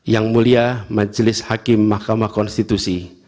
yang mulia majelis hakim mahkamah konstitusi